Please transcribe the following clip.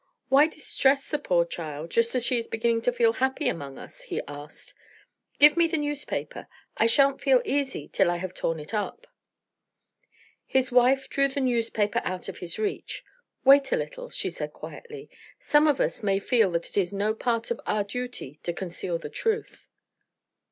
"Why distress the poor child, just as she is beginning to feel happy among us?" he asked. "Give me the newspaper; I shan't feel easy till I have torn it up." His wife drew the newspaper out of his reach. "Wait a little," she said, quietly; "some of us may feel that it is no part of our duty to conceal the truth."